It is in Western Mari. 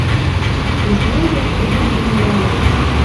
Южнам вӓк йыдым кӹньӹлӓлӓм